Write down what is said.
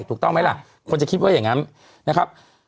ถูกต้องไหมล่ะคนจะคิดว่าอย่างนั้นนะครับ